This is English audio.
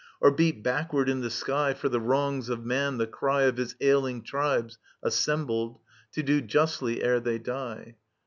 Or beat backward in the sky, For the wrongs of man, the cry Of his ailing tribes assembled. To do justly, ere they die